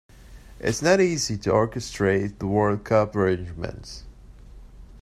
It is not easy to orchestrate the world cup arrangements.